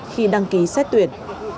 khi đăng ký xét tuyển